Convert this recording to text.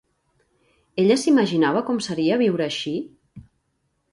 Ella s'imaginava com seria viure així?